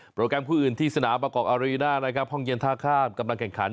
แกรมคู่อื่นที่สนามประกอบอารีน่านะครับห้องเย็นท่าข้ามกำลังแข่งขัน